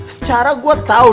secara gue tau